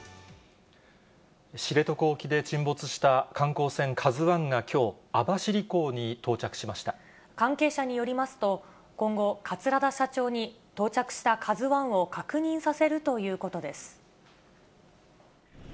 知床沖で沈没した観光船、ＫＡＺＵＩがきょう、網走港に関係者によりますと、今後、桂田社長に到着したＫＡＺＵＩを確認させるということです。